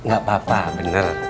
gak apa apa bener